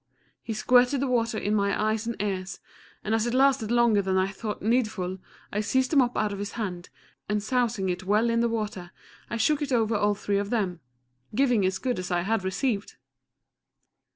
He squirted the water in my eyes and ears, and as it lasted longer than I thought needful, I seized the mop out of his hand, and sousing it well in the water I shook it over all three of them giving as good as I had received!